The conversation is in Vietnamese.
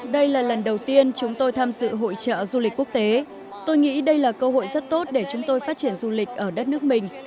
đây là lần đầu tiên chúng tôi tham dự hội trợ du lịch quốc tế tôi nghĩ đây là cơ hội rất tốt để chúng tôi phát triển du lịch ở đất nước mình